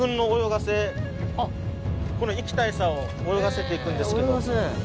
この生きたエサを泳がせて行くんですけど。